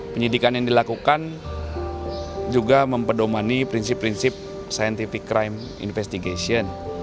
penyidikan yang dilakukan juga mempedomani prinsip prinsip scientific crime investigation